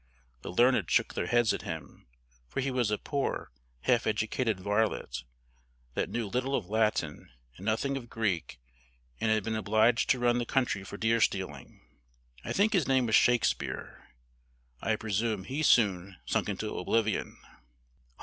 The learned shook their heads at him, for he was a poor, half educated varlet, that knew little of Latin, and nothing of Greek, and had been obliged to run the country for deer stealing. I think his name was Shakespeare. I presume he soon sunk into oblivion."